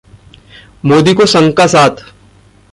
मोदी को संघ का साथ